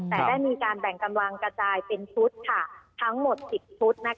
แต่ได้มีการแบ่งกำลังกระจายเป็นชุดทั้งหมด๑๐ชุด